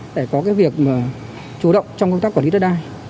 để có cái việc mà chủ động trong công tác quản lý đất đai